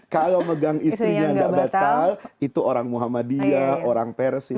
kalau megang istrinya tidak batal itu orang muhammadiyah orang persis